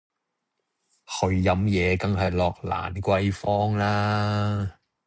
去飲嘢梗係落蘭桂芳啦